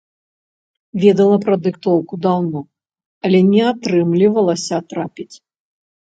Ведала пра дыктоўку даўно, але не атрымлівалася трапіць.